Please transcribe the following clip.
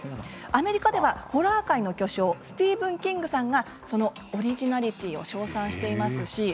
アメリカではホラー界の巨匠スティーブン・キングさんがそのオリジナリティーを賞賛しています。